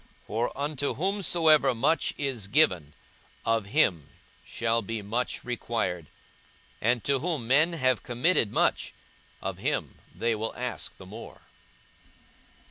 For unto whomsoever much is given, of him shall be much required: and to whom men have committed much, of him they will ask the more.